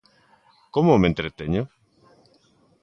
Como me entreteño?